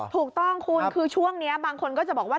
ถูกต้องคุณคือช่วงนี้บางคนก็จะบอกว่า